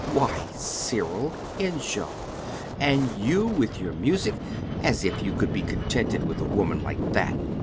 "Why, Cyril Henshaw! and you, with your music! As if you could be contented with a woman like that!"